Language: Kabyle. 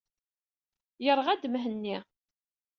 Yeṛɣa-d Mhenni.